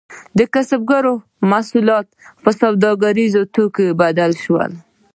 د کسبګرو محصولات په سوداګریزو توکو بدل شول.